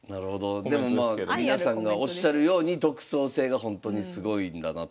でもまあ皆さんがおっしゃるように独創性がほんとにすごいんだなと。